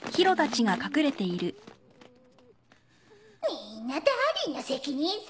みーんなダーリンの責任さ。